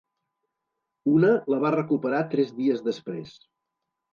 Una la va recuperar tres dies després.